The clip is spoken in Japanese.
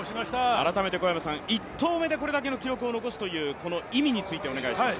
改めて１投目でこれだけの記録を残す意味についてお願いします。